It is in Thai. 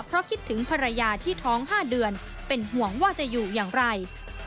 เพราะคิดถึงภรรยาที่ท้อง๕เดือนเป็นห่วงว่าจะอยู่อย่างไร